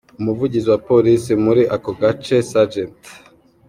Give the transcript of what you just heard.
Umuvugizi wa polisi muri ako gace Sgt.